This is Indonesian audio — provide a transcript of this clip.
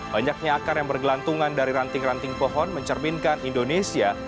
banyaknya akar yang bergelantungan dari ranting ranting pohon mencerminkan indonesia